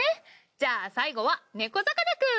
じゃあ最後はねこざかなくん！